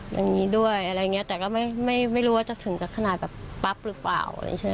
อย่างนี้ด้วยแต่ก็ไม่รู้ว่าจะถึงจากขนาดแบบปั๊บหรือเปล่า